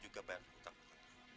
belum juga bayar hutang